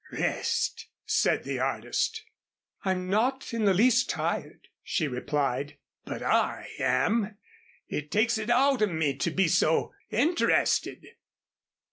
"Rest," said the artist. "I'm not in the least tired," she replied. "But I am. It takes it out of me to be so interested."